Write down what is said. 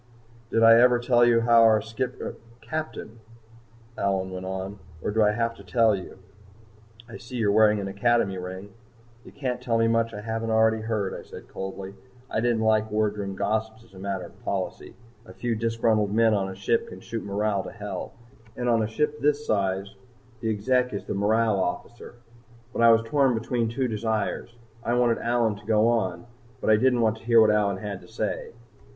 "Did I ever tell you about our skip captain?" Allyn went on. "Or do I have to tell you? I see you're wearing an Academy ring." "You can't tell me much I haven't already heard," I said coldly. I don't like wardroom gossips as a matter of policy. A few disgruntled men on a ship can shoot morale to hell, and on a ship this size the Exec is the morale officer. But I was torn between two desires. I wanted Allyn to go on, but I didn't want to hear what Allyn had to say.